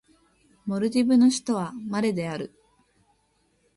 モルディブの首都はマレである